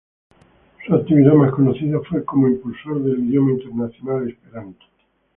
Su actividad más conocida fue como impulsor del idioma internacional esperanto.